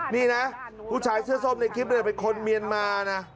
นี่นะผู้ชายเสื้อส้มในคลิปเป็นคนเมียนมานะ